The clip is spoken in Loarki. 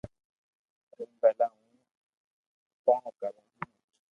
ايم ڀلا ھون ڪو ڪرو ھون